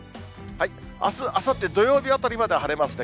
あす、あさって、土曜日あたりまで晴れますね。